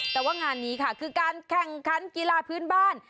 แต่ว่างานนี้ค่ะคือการแข่งขันกีฬาพื้นบ้าน